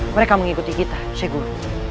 mereka mengikuti kita syegur